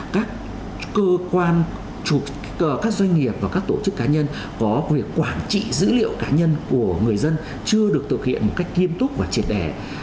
các cơ quan doanh nghiệp và các tổ chức cá nhân có việc quản trị dữ liệu cá nhân của người dân chưa được thực hiện một cách nghiêm túc và triệt đẻ